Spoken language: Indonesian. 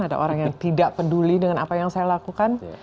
ada orang yang tidak peduli dengan apa yang saya lakukan